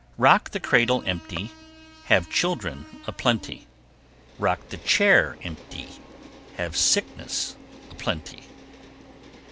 Rock the cradle empty, Have children a plenty, Rock the chair empty, Have sickness a plenty.